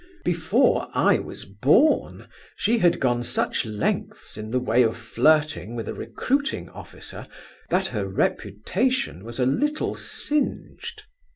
Before I was born, she had gone such lengths in the way of flirting with a recruiting officer, that her reputation was a little singed.